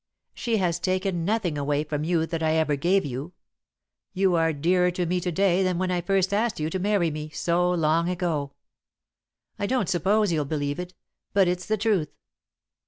She has taken nothing away from you that I ever gave you you are dearer to me to day than when I first asked you to marry me, so long ago. I don't suppose you'll believe it, but it's the truth."